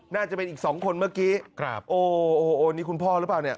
น่าจะเป็นอีก๒คนเมื่อกี้โอ้โฮนี่คุณพ่อหรือเปล่า